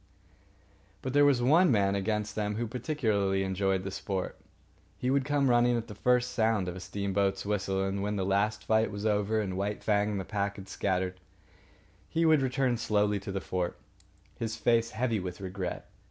But there was one man amongst them who particularly enjoyed the sport. He would come running at the first sound of a steamboat's whistle; and when the last fight was over and White Fang and the pack had scattered, he would return slowly to the fort, his face heavy with regret.